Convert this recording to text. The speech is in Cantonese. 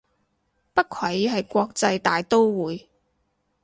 不愧係國際大刀會